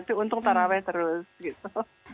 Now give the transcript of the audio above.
jadi untung tarawe terus gitu